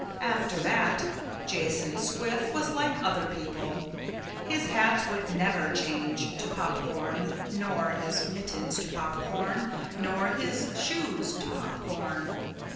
After that Jason Squiff was like other people. His hats would never change to popcorn nor his mittens to popcorn nor his shoes to popcorn.